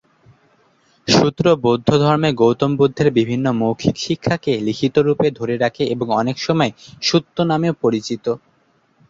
সুত্র বৌদ্ধধর্মে গৌতম বুদ্ধের বিভিন্ন মৌখিক শিক্ষাকে লিখিত রূপে ধরে রাখে এবং অনেকসময় "সুত্ত" নামেও পরিচিত।